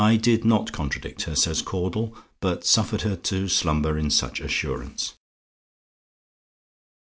"I did not contradict her," says Caudle, "but suffered her to slumber in such assurance."